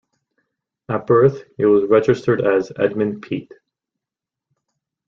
At birth he was registered as Edmund Peat.